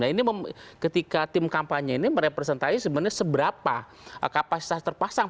nah ini ketika tim kampanye ini merepresentasi sebenarnya seberapa kapasitas terpasang